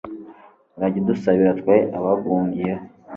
urajye udusabira twe abaguhungiyeho